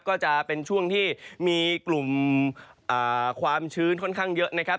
ก็จะเป็นช่วงที่มีกลุ่มความชื้นค่อนข้างเยอะนะครับ